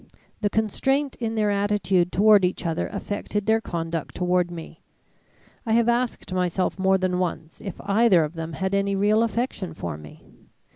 The constraint in their attitude toward each other affected their conduct toward me. I have asked myself more than once if either of them had any real affection for me.